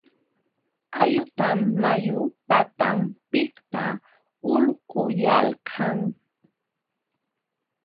Ayutam mayu patanpiqta hulquyalkan.